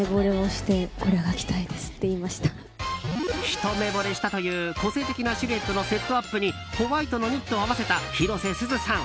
ひと目ぼれしたという個性的なシルエットのセットアップにホワイトのニットを合わせた広瀬すずさん。